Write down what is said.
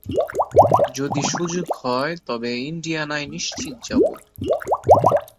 যদি যাবার সুযোগ হয়, তবে ইণ্ডিয়ানায় নিশ্চিত যাব।